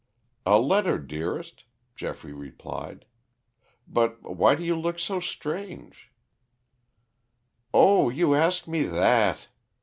"A letter, dearest," Geoffrey replied. "But why do you look so strange " "Oh, you ask me that!